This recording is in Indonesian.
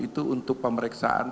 itu untuk pemeriksaan